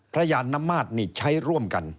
ยานนมาตรนี่ใช้ร่วมกัน